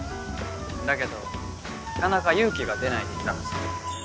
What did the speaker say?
だけどなかなか勇気が出ないでいたらさ。